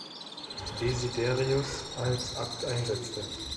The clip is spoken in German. Desiderius als Abt einsetzte.